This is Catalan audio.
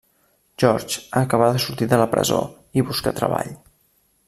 George acaba de sortir de la presó i busca treball.